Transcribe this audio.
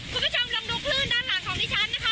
คุณผู้ชมลองดูคลื่นด้านหลังของดิฉันนะคะ